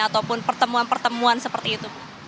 ataupun pertemuan pertemuan seperti itu